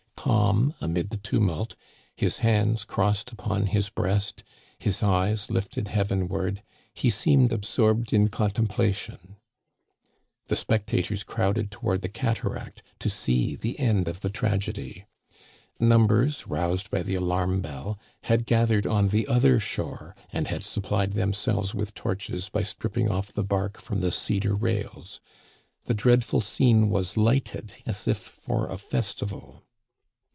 Calm amid the tumult, his hands crossed upon his breast, his eyes lifted heavenward, he seemed absorbed in contemplation. Digitized by Google 64 THE CANADIANS OF OLD. The spectators crowded toward the cataract to see the end of the tragedy. Numbers, roused by the alarm bell, had gathered on the other shore and had supplied themselves with torches by stripping off the bark from the cedar rails. The dreadful scene was lighted as if for a festival.